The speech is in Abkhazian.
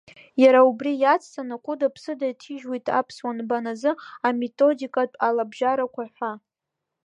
Иара убри иацҵаны хәыда-ԥсада иҭижьуеит Аԥсуа нбан азы Аметодикатә алабжьарақәа ҳәа…